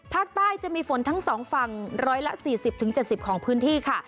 ภาคใต้จะมีฝนทั้ง๒ฝั่ง๑๔๐๗๐ของพื้นที่ค่ะ